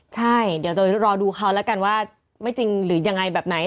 ใช่เดี๋ยวจะรอดูเขาแล้วกันว่าไม่จริงหรือยังไงแบบไหน